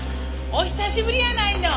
お久しぶりやないの！